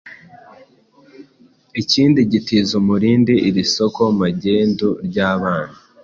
ikindi gitiza umurindi iri soko magendu ry'abana